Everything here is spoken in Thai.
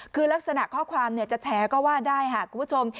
คือลักษณะข้อความจะแฉก็ว่าได้ค่ะคุณผู้ชม